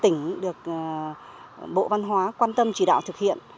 tỉnh được bộ văn hóa quan tâm chỉ đạo thực hiện